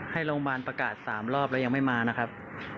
ให้โรงพยาบาลประกาศ๓รอบแล้วยังไม่มานะครับ